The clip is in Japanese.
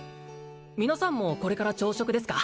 皆さんもこれから朝食ですか？